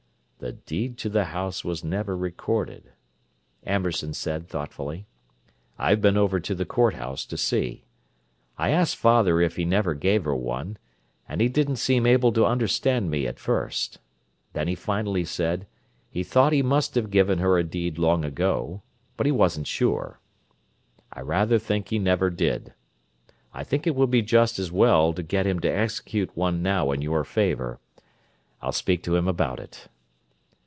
"The deed to the house was never recorded," Amberson said thoughtfully. "I've been over to the courthouse to see. I asked father if he never gave her one, and he didn't seem able to understand me at first. Then he finally said he thought he must have given her a deed long ago; but he wasn't sure. I rather think he never did. I think it would be just as well to get him to execute one now in your favour. I'll speak to him about it."